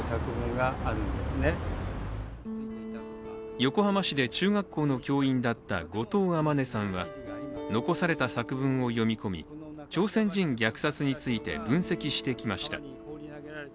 横浜市で中学校の教員だった後藤周さんは残された作文を読み込み朝鮮人虐殺について分析してきました。